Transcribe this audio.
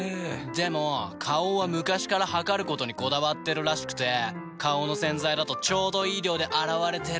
でも花王は昔から量ることにこだわってるらしくて花王の洗剤だとちょうどいい量で洗われてるなって。